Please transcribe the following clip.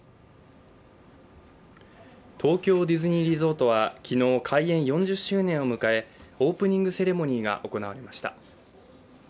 東京ディズニーリゾートは昨日開園４０周年を迎え、オープニングセレモニーが行われました。